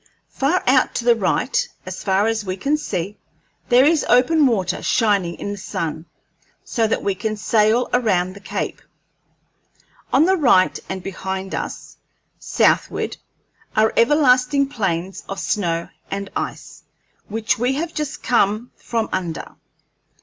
Far out to the right, as far as we can see, there is open water shining in the sun, so that we can sail around the cape. On the right and behind us, southward, are everlasting plains of snow and ice, which we have just come from under.